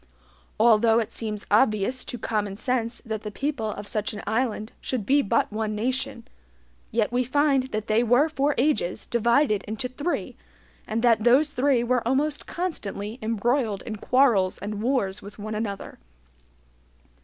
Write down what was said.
Although it seems obvious to common sense that the people of such an island should be but one nation, yet we find that they were for ages divided into three, and that those three were almost constantly embroiled in quarrels and wars with one another.